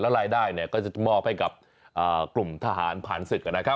รายได้ก็จะมอบให้กับกลุ่มทหารผ่านศึกนะครับ